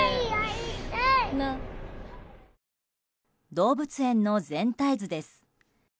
動物園の全体図です。